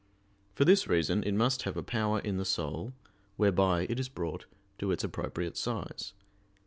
For this reason it must have a power in the soul, whereby it is brought to its appropriate size.